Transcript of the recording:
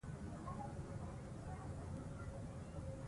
خو که لهجوي ګرامر ليکي هغه بیا جلا بحث دی.